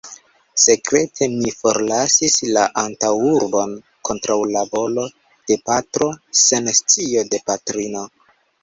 Sekrete mi forlasis la antaŭurbon, kontraŭ la volo de patro, sen scio de patrino.